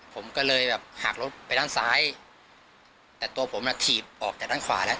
ผมก็เลยแบบหักรถไปด้านซ้ายแต่ตัวผมน่ะถีบออกจากด้านขวาแล้ว